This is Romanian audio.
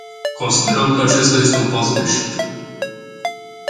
Considerăm că acesta este un pas greșit.